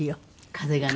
風がね。